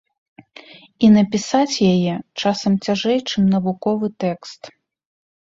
І напісаць яе, часам, цяжэй, чым навуковы тэкст.